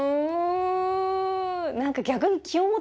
何か逆に。